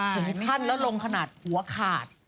ถึงขั้นแล้วลงขนาดหัวขาด